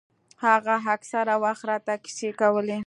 هغه اکثره وخت راته کيسې کولې.